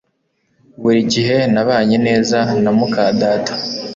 Buri gihe nabanye neza na muka data